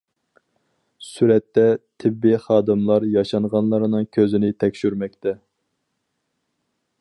سۈرەتتە: تېببىي خادىملار ياشانغانلارنىڭ كۆزىنى تەكشۈرمەكتە.